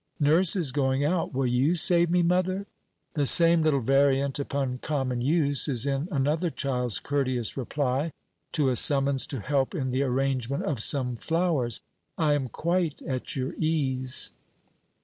Nurse is going out, will you save me, mother?" The same little variant upon common use is in another child's courteous reply to a summons to help in the arrangement of some flowers, "I am quite at your ease."